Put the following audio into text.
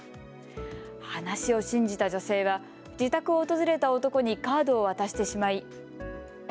話を信じた女性は自宅を訪れた男にカードを渡してしまい。